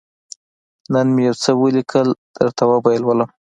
_نن مې يو څه ولېکل، درته وبه يې لولم.